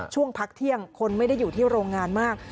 ช่วงพักเที่ยงคนไม่ได้อยู่ที่โรงงานมาก